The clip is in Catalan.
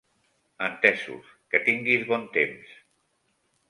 Entesos. Que tinguis bon temps!